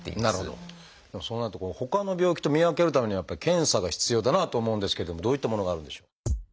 でもそうなるとほかの病気と見分けるためにはやっぱり検査が必要だなと思うんですけれどもどういったものがあるんでしょう？